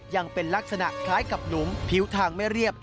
ยังเป็นลักษณะคล้ายกับหลุมผิวทางไม่เรียบ